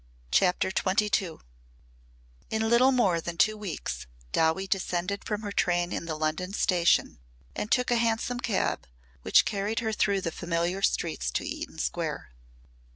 CHAPTER XXII In little more than two weeks Dowie descended from her train in the London station and took a hansom cab which carried her through the familiar streets to Eaton Square.